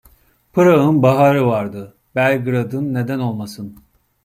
Prag'ın baharı vardı, Belgrad'ın neden olmasın?